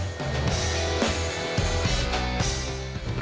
เรียบร้อย